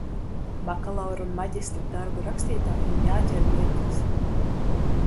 Bakalaura un maģistra darbu rakstītājiem jāķer mirklis.